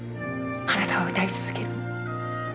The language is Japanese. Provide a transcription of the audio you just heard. あなたは歌い続ける。